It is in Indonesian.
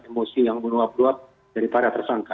emosi yang beruap ruap dari para tersangka